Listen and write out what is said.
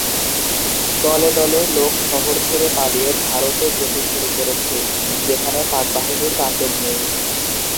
দলে দলে লোক শহর ছেড়ে পালিয়ে ভারতে যেতে শুরু করেছে, যেখানে পাকবাহিনীর তাণ্ডব নেই।